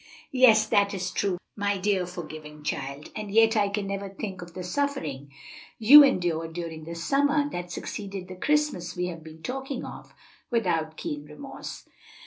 "Yes, that is true, my dear, forgiving child! and yet I can never think of the suffering you endured during the summer that succeeded the Christmas we have been talking of, without keen remorse."